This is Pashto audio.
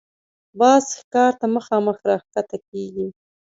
باز ښکار ته مخامخ راښکته کېږي